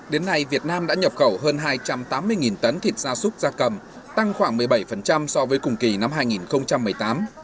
đến nay việt nam đã nhập khẩu hơn hai trăm tám mươi tấn thịt gia súc gia cầm tăng khoảng một mươi bảy so với cùng kỳ năm hai nghìn một mươi tám